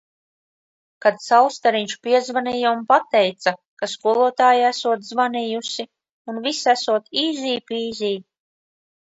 Kad Saulstariņš piezvanīja un pateica, ka skolotāja esot zvanījusi un viss esot "īzī pīzī".